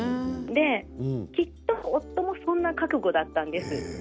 きっと夫もそんな覚悟だったんです。